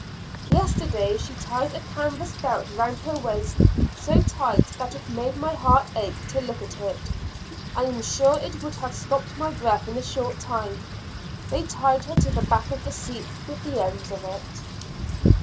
Yesterday she tied a canvas belt round her waist so tight that it made my heart ache to look at it. I am sure it would have stopped my breath in a short time; they tied her to the back of the seat with the ends of it.